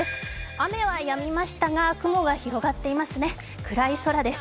雨はやみましたが雲が広がっていますね暗い空です。